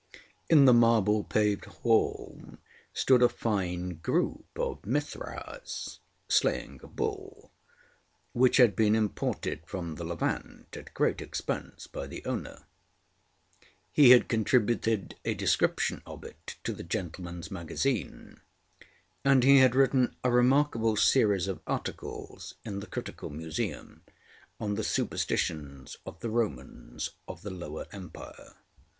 In the marble paved hall stood a fine group of Mithras slaying a bull, which had been imported from the Levant at great expense by the owner. He had contributed a description of it to the GentlemanŌĆÖs Magazine, and he had written a remarkable series of articles in the Critical Museum on the superstitions of the Romans of the Lower Empire.